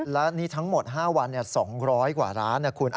และนี่ทั้งหมด๕วัน๒๐๐กว่าร้านนะคุณ